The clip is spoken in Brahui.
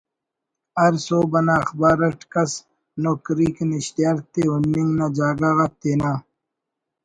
ہر سہب انا اخبار اٹ کس نوکری کن اشتہار تے ہُننگ نا جاگہ غا تینا